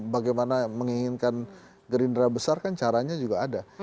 bagaimana menginginkan gerindra besar kan caranya juga ada